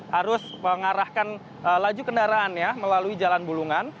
harus mengarahkan laju kendaraannya melalui jalan bulungan